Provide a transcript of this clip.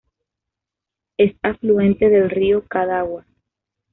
Es afluente del río Cadagua.